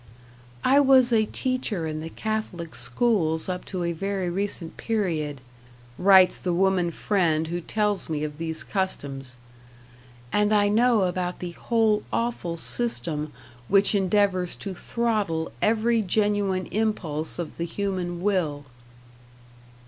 "I was a teacher in the Catholic schools up to a very recent period," writes the woman friend who tells me of these customs, "and I know about the whole awful system which endeavors to throttle every genuine impulse of the human will."